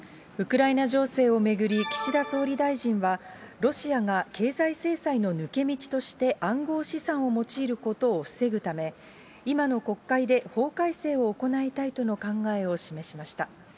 ウクライナ情勢を巡り、岸田総理大臣は、ロシアが経済制裁の抜け道として暗号資産を用いることを防ぐため、今の国会で法改正を行いたいとの考えを示しました。